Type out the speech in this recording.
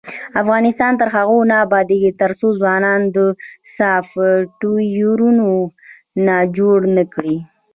افغانستان تر هغو نه ابادیږي، ترڅو ځوانان سافټویرونه جوړ نکړي.